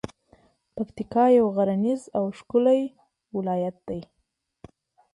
پکتیکا یو غرنیز او ښکلی ولایت ده.